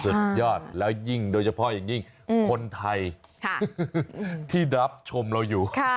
สุดยอดแล้วยิ่งโดยเฉพาะอย่างยิ่งคนไทยที่รับชมเราอยู่